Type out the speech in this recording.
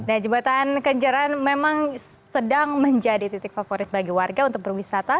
nah jembatan kenjeran memang sedang menjadi titik favorit bagi warga untuk berwisata